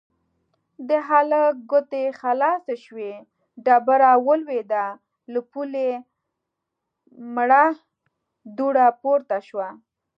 د هلک ګوتې خلاصې شوې، ډبره ولوېده، له پولې مړه دوړه پورته شوه.